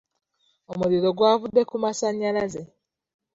Omuliro gwavudde ku masanyalaze